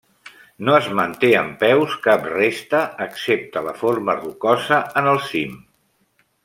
No es manté en peus cap resta excepte la forma rocosa en el cim.